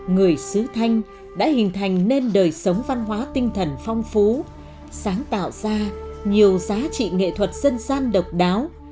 người sứ thanh đã hình thành nên đời sống văn hóa tinh thần phong phú sáng tạo ra nhiều giá trị nghệ thuật dân gian độc đáo